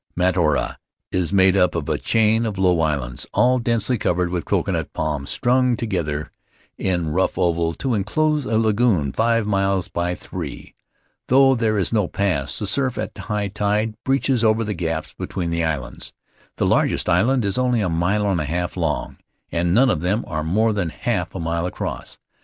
"Mataora is made up of a chain of low islands — all densely covered with coconut palms — strung to LLEGEOh yfffll 4 Faery Lands of the South Seas gether in a rough oval to inclose a lagoon five miles by three. Though there is no pass, the surf at high tide breaches over the gaps between the islands. The largest island is only a mile and a half long, and none of them are more than half a mile across.